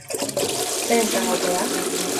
Zein izango ote da?